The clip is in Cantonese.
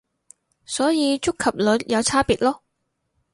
所以觸及率有差別囉